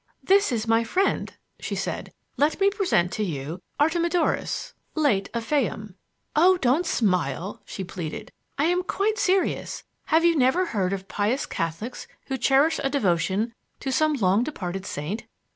"This is my friend," she said. "Let me present you to Artemidorus, late of the Fayyum. Oh, don't smile!" she pleaded. "I am quite serious. Have you never heard of pious Catholics who cherish a devotion to some long departed saint?